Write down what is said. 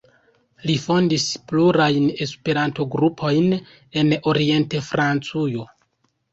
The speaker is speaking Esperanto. Li fondis plurajn Esperanto-grupojn en Orient-Francujo.